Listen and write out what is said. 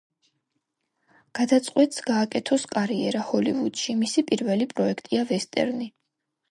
გადაწყვეტს გააკეთოს კარიერა ჰოლივუდში, მისი პირველი პროექტია ვესტერნი.